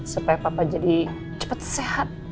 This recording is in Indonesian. supaya papa jadi cepat sehat